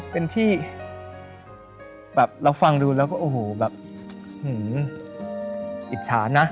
เป็นที่เราฟังดูแล้วก็อิจฉานะ